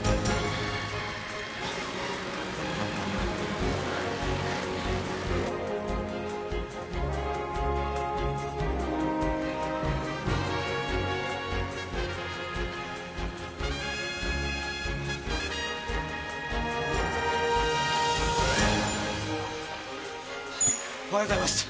「ビオレ」おはようございます。